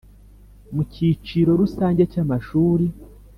Mu kiciro rusange cy’amashuri